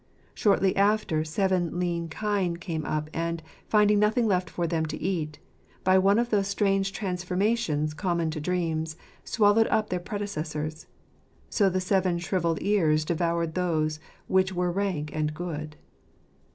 Shortly after, seven lean kine came up, and, finding nothing left for them to eat, by one of those strange transformations common to dreams, swallowed up their predecessors. So the seven shrivelled ears devoured those which were rank and good.